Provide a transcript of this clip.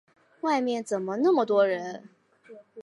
外面怎么那么多人？